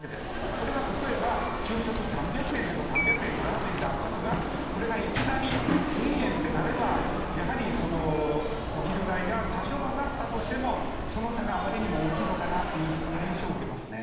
これが例えば、昼食３００円でも３００円のラーメンがあったのがこれがいきなり１０００円ってなればやはりお昼代が多少上がったとしてもその差があまりにも大きいのかなというそんな印象受けますね。